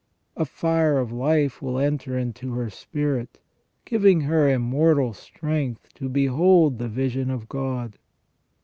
A fire of life will enter into her spirit, giving her immortal strength to behold the vision of God.